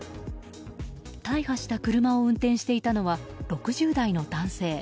大破した車を運転していたのは６０代の男性。